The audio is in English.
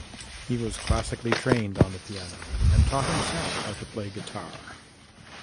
He was classically trained on the piano and taught himself how to play guitar.